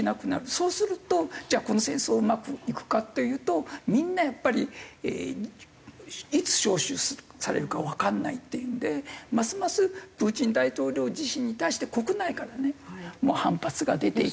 そうするとじゃあこの戦争うまくいくかっていうとみんなやっぱりいつ招集されるかわからないっていうのでますますプーチン大統領自身に対して国内からね反発が出ていく。